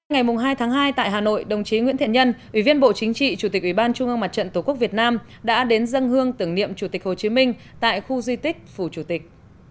ngày hai tháng hai tại hà nội đồng chí nguyễn thiện nhân ủy viên bộ chính trị chủ tịch ủy ban trung ương mặt trận tổ quốc việt nam đã đến dân hương tưởng niệm chủ tịch hồ chí minh tại khu di tích phủ chủ tịch